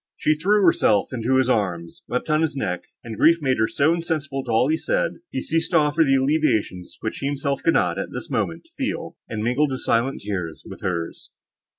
She threw herself into his arms, wept on his neck, and grief made her so insensible to all he said, that he ceased to offer the alleviations, which he himself could not, at this moment, feel, and mingled his silent tears with hers.